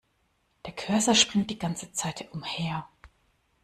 Der Cursor springt die ganze Zeit umher.